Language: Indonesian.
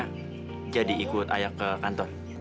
saya jadi ikut ayah ke kantor